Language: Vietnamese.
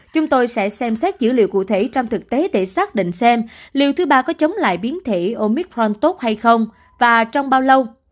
chúng tôi sẽ xem xét dữ liệu cụ thể trong thực tế để xác định xem liệu thứ ba có chống lại biến thể omicrontok hay không và trong bao lâu